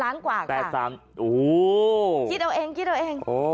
๓ล้านกว่าค่ะคิดเอาเองโอ้โห